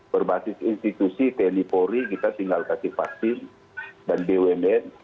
berbasis institusi tni polri kita tinggal kasih vaksin dan bumn